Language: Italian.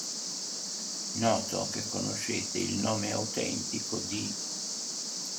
Noto che conoscete il nome autentico di.